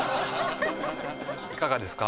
いかがですか？